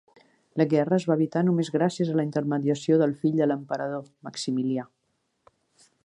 La guerra es va evitar només gràcies a la intermediació del fill de l'emperador, Maximilià.